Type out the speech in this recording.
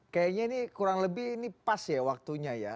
kayaknya ini kurang lebih ini pas ya waktunya ya